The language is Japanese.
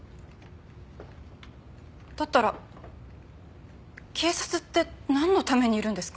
だったら警察ってなんのためにいるんですか？